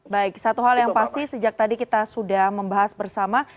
baik satu hal yang pasti sejak tadi kita sudah membahas bersama